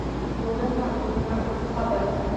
Туҙынма, туҙыңа ут ҡабыр.